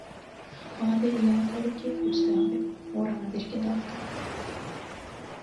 আমাদের ইয়াকারিকে খুঁজতে হবে, ওর আমাদেরকে দরকার।